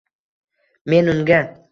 Men unga